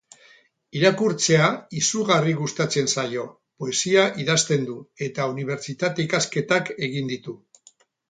Irakurtzea izugarri gustatzen zaio, poesia idazten du, eta unibertsitate-ikasketak egin ditu.